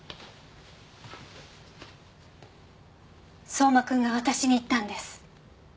相馬君が私に言ったんです。